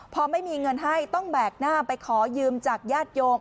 พอไม่มีเงินให้ต้องแบกหน้าไปขอยืมจากญาติโยม